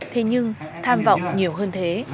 thế nhưng tham vọng nhiều hơn thế